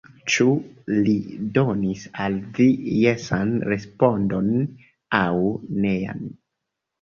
Ĉu li donis al vi jesan respondon aŭ nean?